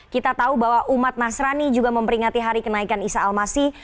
kita tahu bahwa umat nasrani juga memperingati hari kenaikan isa al masih